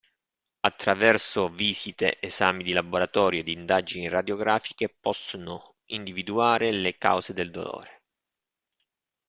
Attraverso visite, esami di laboratorio ed indagini radiografiche possono individuare le cause del dolore.